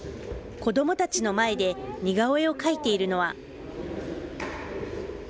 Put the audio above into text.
子どもたちの前で、似顔絵を描いているのは。